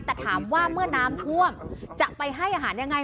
แต่ถามว่าเมื่อน้ำท่วมจะไปให้อาหารยังไง